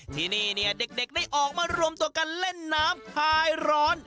ที่นี่เนี่ยเด็กได้ออกมารวมตัวกันเล่นน้ำคลายร้อน